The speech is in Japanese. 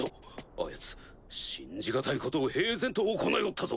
あやつ信じがたいことを平然と行いおったぞ！